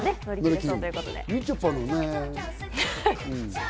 みちょぱのね。